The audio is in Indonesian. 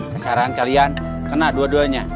kesarahan kalian kena dua duanya